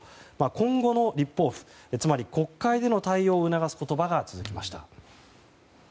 今後の立法府、つまり国会での対応を促す言葉が続きました。